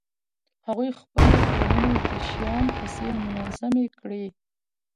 هغوی خپلې ټولنې د شیام په څېر منظمې کړې